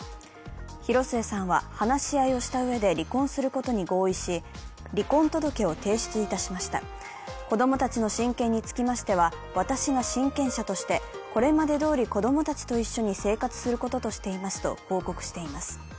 広末さんは、話し合いをしたうえで離婚することに合意し、離婚届を提出いたしました、子供たちの親権につきましては私が親権者として、これまでどおり子供たちと一緒に生活することとしていますと報告しています。